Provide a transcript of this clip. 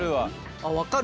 あ分かる！